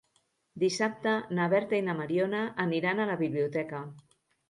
Dissabte na Berta i na Mariona aniran a la biblioteca.